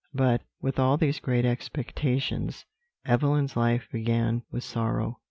"But, with all these great expectations, Evelyn's life began with sorrow.